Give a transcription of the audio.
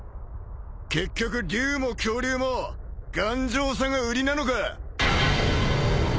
結局龍も恐竜も頑丈さが売りなのか？